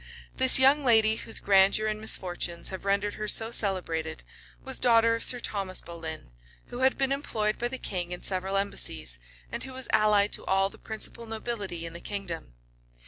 This young lady, whose grandeur and misfortunes have rendered her so celebrated, was daughter of Sir Thomas Boleyn, who had been employed by the king in several embassies, and who was allied to all the principal nobility in the kingdom.